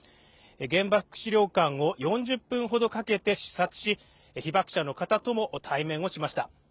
原爆資料館を４０分ほどかけて視察し被爆者の方とも対面をしました。